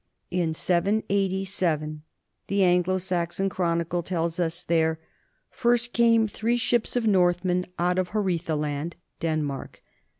In 787 the Anglo Saxon Chronicle tells us there "first came three ships of Northmen out of Haeretha land " [Denmark?